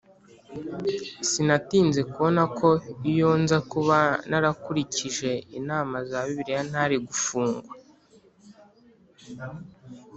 Sinatinze kubona ko iyo nza kuba narakurikije inama za bibiliya ntari gufungwa